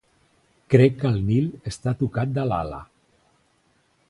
Crec que el Nil està tocat de l'ala.